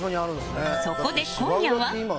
そこで、今夜は。